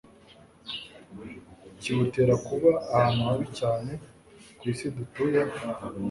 kiwutera kuba ahantu habi cyane ku isi dutuyeho?